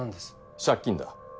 借金だ。